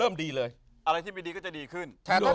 เริ่มดีเลยอะไรที่ไม่ดีก็จะดีขึ้นแท้นว่าเธอเจอะ